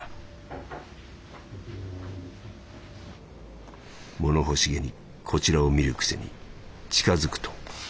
「物欲しげにこちらを見るくせに近づくと逃げる」。